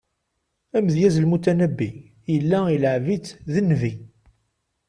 Amedyaz Lmutanabbi, yella ileɛɛeb-itt d nnbi.